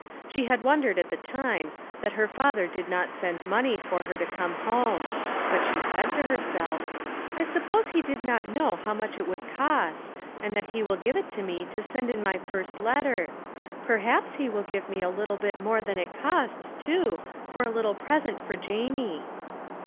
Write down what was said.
She had wondered, at the time, that her father did not send the money for her to come home, but she said to herself :" I sup pose he did not know how much it would cost, and he will give it to me to send in my first let ter. Perhaps he will give me a little bit more than it costs, too, for a little present for Jamie."